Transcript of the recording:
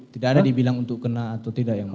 tidak ada dibilang untuk kena atau tidak yang mulia